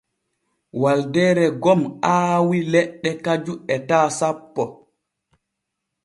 Waldeere gom aawii leɗɗe kaju etaa sanpo.